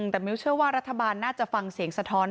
แต่มิ้วเชื่อว่ารัฐบาลน่าจะฟังเสียงสะท้อน